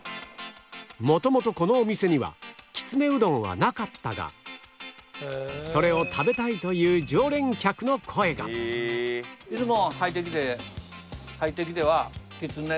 元々このお店にはきつねうどんはなかったがそれを食べたいという常連客の声がないのにね。